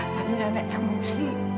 tadi nenek cembungsi